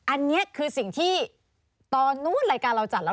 อันนี้คือสิ่งที่ตอนนู้นรายการเราจัดแล้ว